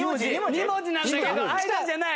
２文字なんだけど間じゃない。